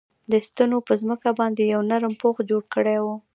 دې ستنو په ځمکه باندې یو نرم پوښ جوړ کړی و